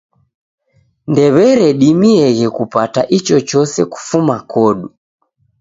Ndew'eredimieghe kupata ichochose kufuma kodu.